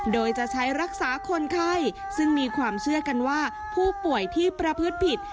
โดยจะใช้รักษาคนไข้ซึ่งมีความเชื่อกันว่าผู้ป่วยที่ประพฤติผิด